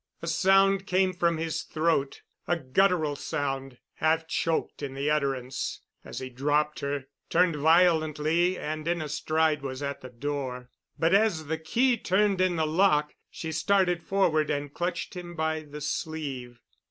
A sound came from his throat—a guttural sound half choked in the utterance, as he dropped her, turned violently and in a stride was at the door. But as the key turned in the lock, she started forward and clutched him by the sleeve.